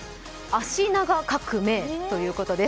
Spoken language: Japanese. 「脚長革命」ということです。